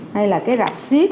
hay là cái rạp suyết